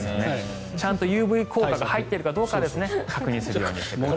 ちゃんとＵＶ効果が入ってるかどうか確認してください。